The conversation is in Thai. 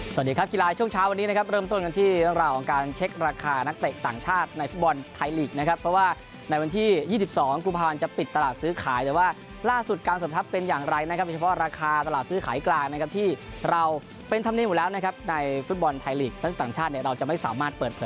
สวัสดีครับกีฬายช่วงเช้าวันนี้นะครับเริ่มต้นกันที่เราการเช็คราคานักเตะต่างชาติในฟุตบอลไทยลีกนะครับเพราะว่าในวันที่๒๒กูพาวันจะปิดตลาดซื้อขายแต่ว่าล่าสุดกลางสมทัพเป็นอย่างไรนะครับเฉพาะราคาตลาดซื้อขายกลางนะครับที่เราเป็นธรรมดีหมดแล้วนะครับในฟุตบอลไทยลีกและต่างชาติเรา